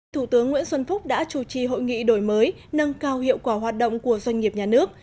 thủ tướng nguyễn xuân phúc đã chủ trì hội nghị đổi mới nâng cao hiệu quả hoạt động của doanh nghiệp nhà nước